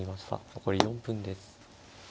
残り４分です。